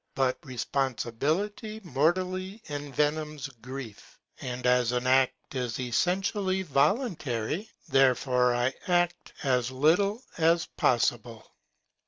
But responsi bility mortally envenoms grief; and as an act is essentially voluntary, therefore I act as little as possible.